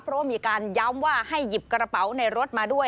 เพราะว่ามีการย้ำว่าให้หยิบกระเป๋าในรถมาด้วย